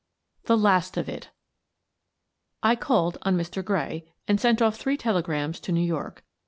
THE LAST OF IT I called cm Mr. Gray and sent off three tele grams to New York.